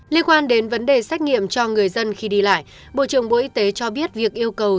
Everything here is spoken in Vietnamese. liên quan đến vấn đề xét nghiệm cho người dân khi đi lại bộ trưởng bộ y tế cho biết việc yêu cầu